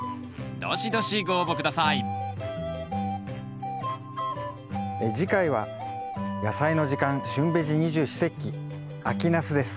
どしどしご応募下さい次回は「やさいの時間旬ベジ二十四節気」秋ナスです。